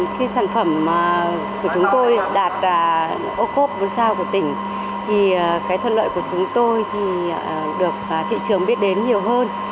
khi sản phẩm của chúng tôi đạt ô cốp bốn sao của tỉnh thì cái thuận lợi của chúng tôi thì được thị trường biết đến nhiều hơn